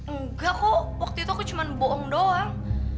enggak kok waktu itu aku cuma bohong doang